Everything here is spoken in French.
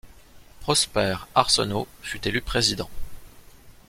Prosper Arsenault fut élu président.